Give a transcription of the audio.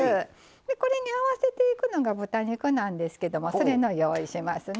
これに合わせていくのが豚肉なんですけどもそれの用意しますね。